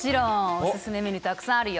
おすすめメニューたくさんあるよ。